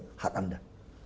itu hak anda